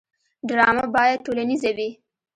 ډرامه باید ټولنیزه وي